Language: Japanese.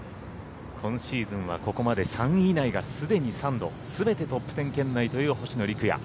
今シーズンはここまで３位以内がすでに三度すべてトップ１０圏内という星野陸也。